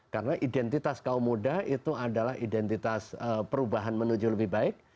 karena identitas kaum muda itu adalah identitas perubahan menuju lebih baik